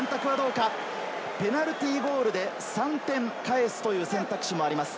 ペナルティーゴールで３点返すという選択肢もあります。